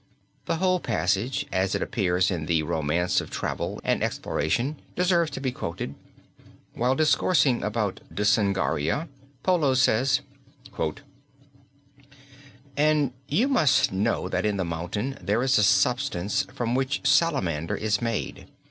The whole passage as it appears in The Romance of Travel and Exploration deserves to be quoted. While discoursing about Dsungaria, Polo says: "And you must know that in the mountain there is a substance from which Salamander is made.